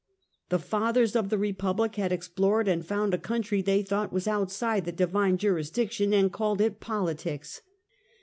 The Fathers of the Republic had explored and found a country they thought was outside the Divine jurisdiction, and called it Politics.